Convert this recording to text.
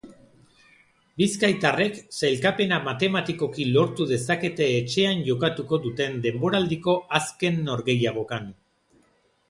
Bizkaitarrek sailkapena matematikoki lortu dezakete etxean jokatuko duten denboraldiko azken norgehiagokan.